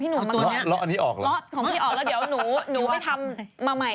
นี่ไงเออคุณอ่ะทำตัวใหญ่มากนะมา